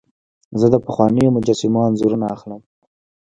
زه د پخوانیو مجسمو انځورونه اخلم.